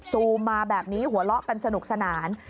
ซูมมาแบบนี้หัวเราะกันสนุกสนาน